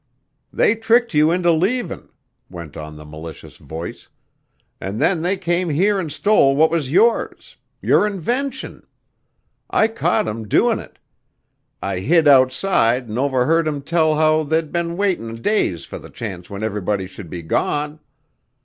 "They tricked you into leavin'," went on the malicious voice, "an' then they came here an' stole what was yours your invention. I caught 'em doin' it. I hid outside an' overheard 'em tell how they'd been waitin' days for the chance when everybody should be gone.